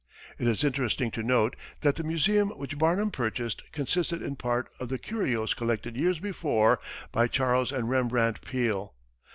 It is interesting to note that the museum which Barnum purchased consisted in part of the curios collected years before by Charles and Rembrandt Peale.